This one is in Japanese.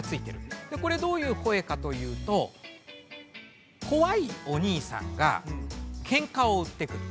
でこれどういう声かというとこわいお兄さんがケンカを売ってくる。